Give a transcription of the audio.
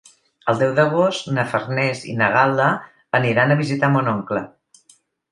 El deu d'agost na Farners i na Gal·la aniran a visitar mon oncle.